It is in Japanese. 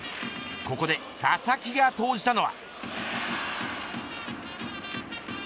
ここで佐々木が投じたのは。